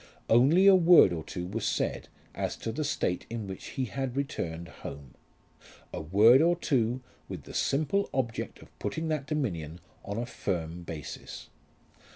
Only a word or two was said as to the state in which he had returned home, a word or two with the simple object of putting that dominion on a firm basis.